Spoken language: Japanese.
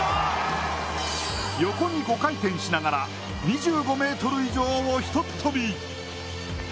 横に５回転しながら２５ｍ以上をひとっ飛び。